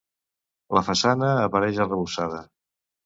La façana apareix arrebossada.